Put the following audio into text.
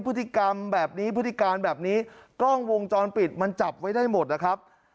พฤติกรรมแบบนี้พฤติการแบบนี้กล้องวงจรปิดมันจับไว้ได้หมดนะครับ